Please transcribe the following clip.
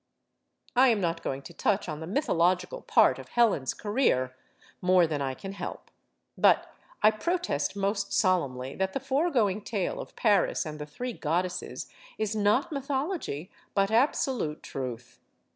I am not going to touch on the mythological part of Helen's career, more than I can help. But I protest most solemnly that the foregoing tale of Paris and the three goddesses is not mythology, but absolute truth.